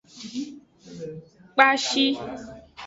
Kpashi.